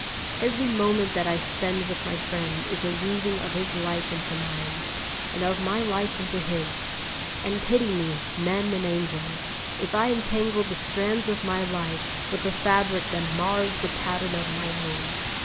Every moment that I spend with my friend is a weaving of his life into mine, and of my life into his; and pity me, men and angels, if I entangle the strands of my life with a fabric that mars the pattern of my own!